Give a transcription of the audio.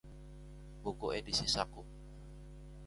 buku edisi saku